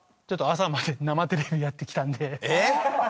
ちょっと『朝まで生テレビ！』をやってきたんで。